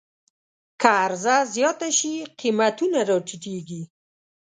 که عرضه زیاته شي، قیمتونه راټیټېږي.